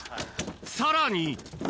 さらに。